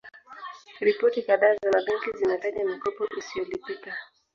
Ripoti kadhaa za mabenki zimetaja mikopo isiyolipika